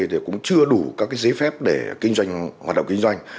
thì cũng chưa đủ các giấy phép để hoạt động kinh doanh